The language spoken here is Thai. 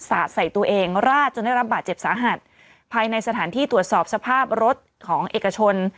สาดใส่ตัวเองราดจนได้รับบาดเจ็บสาหัสภายในสถานที่ตรวจสอบสภาพรถของเอกชน